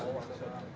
empat partai pengusung